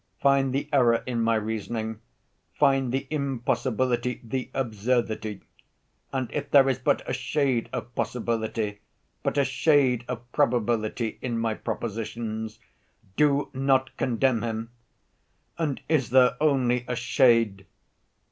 Find the error in my reasoning; find the impossibility, the absurdity. And if there is but a shade of possibility, but a shade of probability in my propositions, do not condemn him. And is there only a shade?